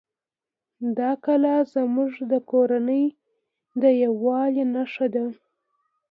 دا کلا زموږ د کورنۍ د یووالي نښه ده.